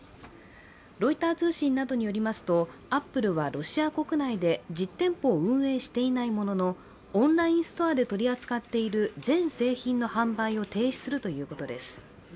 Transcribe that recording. ロイター通信などによりますとアップルはロシア国内で実店舗を運営していないもののオンラインストアで取り扱っている全製品の取り扱いを停止するということです。